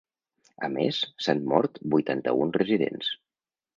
A més, s’han mort vuitanta-un residents.